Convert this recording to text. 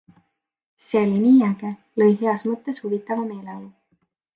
See oli nii äge - lõi heas mõttes huvitava meeleolu!